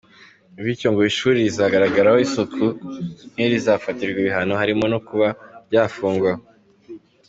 Bityo ngo ishuri rizagaragaraho isuku nke rizafatirwa ibihano harimo no kuba ryafungwa.